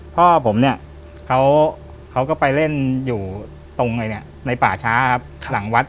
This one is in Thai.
พ่อผมเขาก็ไปเล่นอยู่ตรงในป่าช้ากรรมย์วัด